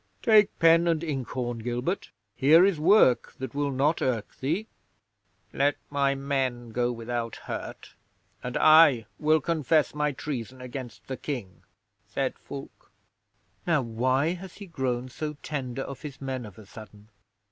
Take pen and inkhorn, Gilbert. Here is work that will not irk thee." '"Let my men go without hurt, and I will confess my treason against the King," said Fulke. '"Now, why has he grown so tender of his men of a sudden?"